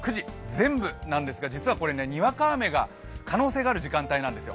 全部なんですが、実はこれにわか雨の可能性のある時間帯なんですよ。